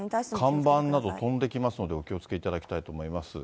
看板など飛んできますので、お気をつけいただきたいと思います。